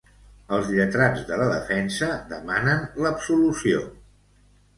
Els lletrats de la defensa demanen l'absolució.